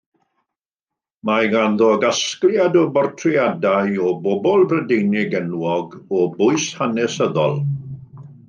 Mae ganddo gasgliad o bortreadau o bobl Brydeinig enwog o bwys hanesyddol.